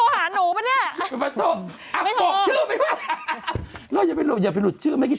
ใครไลน์มาด่าครับไพโซหรือนางเอก